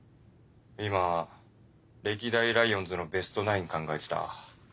今歴代ライオンズのベストナイン考えてた。